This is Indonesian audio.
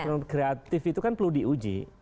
ekonomi kreatif itu kan perlu diuji